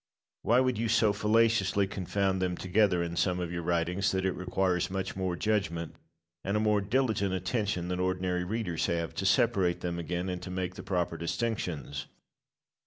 Why would you so fallaciously confound them together in some of your writings, that it requires much more judgment, and a more diligent attention than ordinary readers have, to separate them again, and to make the proper distinctions?